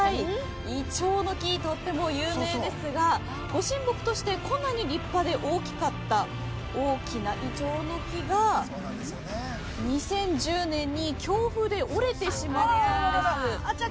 イチョウの木とっても有名ですがご神木としてこんなに立派で大きかった大きなイチョウの木が２０１０年で強風で折れてしまったです。